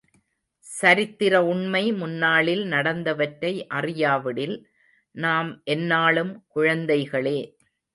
சரித்திர உண்மை முன்னாளில் நடந்தவற்றை அறியாவிடில் நாம் என்னாளும் குழந்தைகளே.